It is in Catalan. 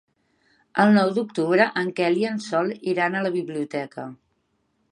El nou d'octubre en Quel i en Sol iran a la biblioteca.